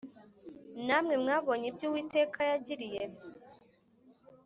Namwe mwabonye ibyo Uwiteka yagiriye